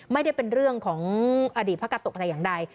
ไม่ได้เป็นเรื่องของอดีตพระกาโตะแต่อย่างใด